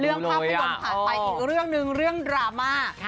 เรื่องภาพผ่านไปอีกเรื่องนึงเรื่องดราม่า